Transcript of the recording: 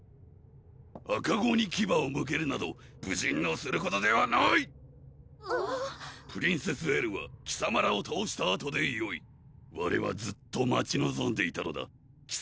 ⁉赤子に牙を向けるなど武人のすることではないプリンセス・エルは貴様らをたおしたあとでよいわれはずっと待ちのぞんでいたのだ貴様